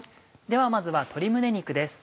ではまずは鶏胸肉です。